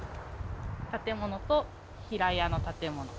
建物と平屋の建物。